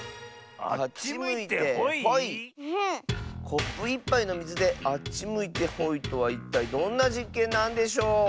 コップ１ぱいのみずであっちむいてほいとはいったいどんなじっけんなんでしょう？